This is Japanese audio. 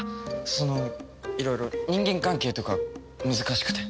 そのいろいろ人間関係とか難しくて。